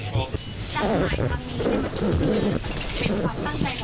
ก็หมายคำนี้เป็นความตั้งใจของคุณเศรษฐา